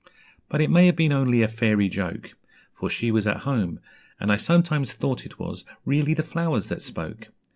But it may have been only a fairy joke, For she was at home, and I sometimes thought it was really the flowers that spoke.